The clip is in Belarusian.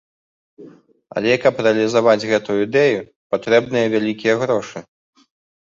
Але каб рэалізаваць гэтую ідэю, патрэбныя вялікія грошы.